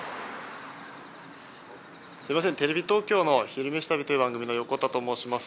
すみませんテレビ東京の「昼めし旅」という番組の横田と申します。